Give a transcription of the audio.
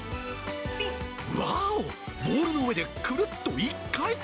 うわーお、ボールの上でくるっと１回転。